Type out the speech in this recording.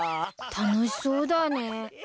楽しそうだね。